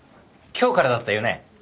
今日からだったよね？